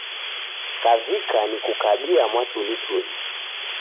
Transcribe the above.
Kavika nikukabia mwatulituli.